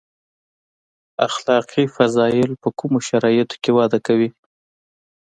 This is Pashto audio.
اخلاقي فضایل په کومو شرایطو کې وده کوي.